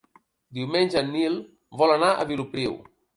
Diumenge en Nil vol anar a Vilopriu.